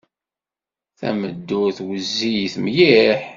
Tameddurt wezzilet mliḥ.